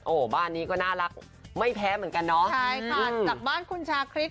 โอ้โหบ้านนี้ก็น่ารักไม่แพ้เหมือนกันเนาะใช่ค่ะจากบ้านคุณชาคริส